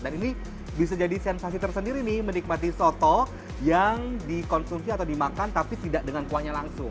dan ini bisa jadi sensasi tersendiri nih menikmati soto yang dikonsumsi atau dimakan tapi tidak dengan kuahnya langsung